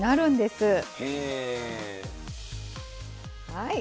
はい。